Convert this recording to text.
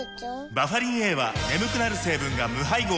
バファリンＡは眠くなる成分が無配合なんです